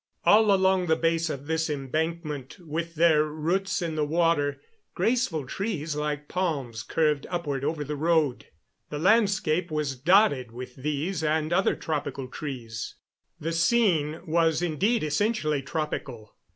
All along the base of this embankment, with their roots in the water, graceful trees like palms curved upward over the road. The landscape was dotted with these and other tropical trees; the scene was, indeed, essentially tropical.